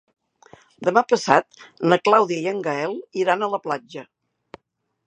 Demà passat na Clàudia i en Gaël iran a la platja.